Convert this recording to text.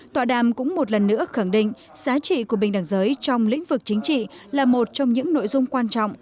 tọa đàm cũng một lần nữa khẳng định giá trị của bình đẳng giới trong lĩnh vực chính trị là một trong những nội dung quan trọng